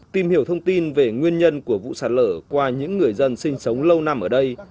tìm hiểu thông tin về nguyên nhân của vụ sạt lở qua những người dân sinh sống lâu năm ở đây